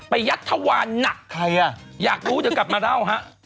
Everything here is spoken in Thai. ประยัตถวานหนักอยากรู้จะกลับมาเล่าฮะ